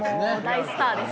大スターです。